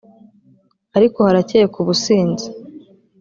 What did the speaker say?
ariko harakekwa ubusinzi